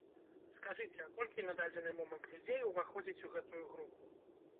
Скажыце, а колькі на дадзены момант людзей уваходзіць у гэтую групу?